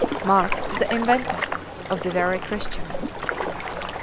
Mark the "invented" of the wary Christian!